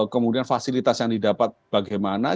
kemudian fasilitas yang didapat bagaimana